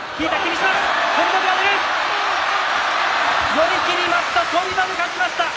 寄り切りました翔猿勝ちました。